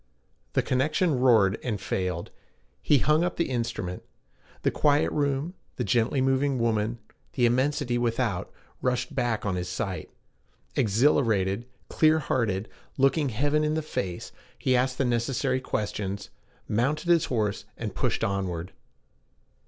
The connection roared and failed. He hung up the instrument. The quiet room, the gently moving woman, the immensity without, rushed back on his sight. Exhilarated, clear hearted, looking heaven in the face, he asked the necessary questions, mounted his horse, and pushed onward.